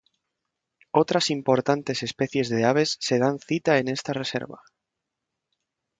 Otras importantes especies de aves se dan citas en esta reserva.